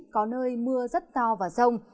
có nơi mưa rất to và rông